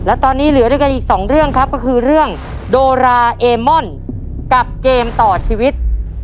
และตอนนี้เหลือด้วยกันอีกสองเรื่องครับก็คือเรื่องโดราเอมอนกับเกมต่อชีวิต